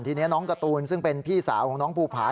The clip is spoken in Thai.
ทีนี้น้องการ์ตูนซึ่งเป็นพี่สาวของน้องภูผา